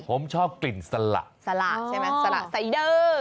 ผมชอบกลิ่นสระสระใช่มั้ยสระไซเดอร์